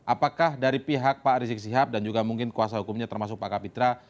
apakah dari pihak pak rizik sihab dan juga mungkin kuasa hukumnya termasuk pak kapitra